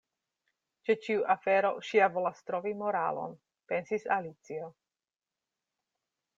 "Ĉe ĉiu afero ŝi ja volas trovi moralon," pensis Alicio.